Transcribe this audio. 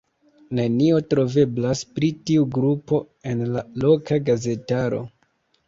Nenio troveblas pri tiu grupo en la loka gazetaro.